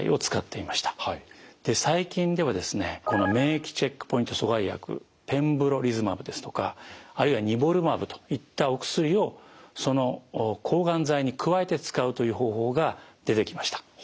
最近ではですねこの免疫チェックポイント阻害薬ペムブロリズマブですとかあるいはニボルマブといったお薬をその抗がん剤に加えて使うという方法が出てきました。